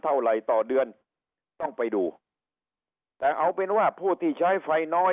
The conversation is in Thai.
เท่าไหร่ต่อเดือนต้องไปดูแต่เอาเป็นว่าผู้ที่ใช้ไฟน้อย